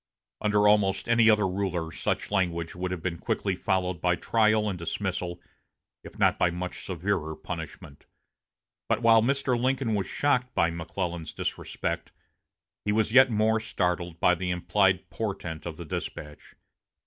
Under almost any other ruler such language would have been quickly followed by trial and dismissal, if not by much severer punishment. But while Mr. Lincoln was shocked by McClellan's disrespect, he was yet more startled by the implied portent of the despatch.